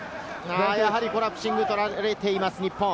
やはりコラプシングを取られています、日本。